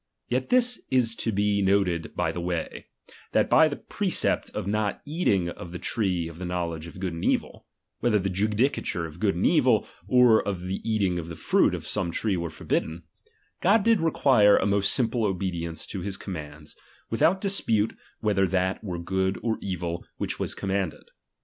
Yet this is to be noted by the way ; that by that precept of not eating of the tree of the knowledge of good and evil, (whether the judicature of good and evil, or the eating of the fruit of some tree were for bidden), God did require a most simple obedience to his commands, without dispute whetber that were good or evil which was commanded.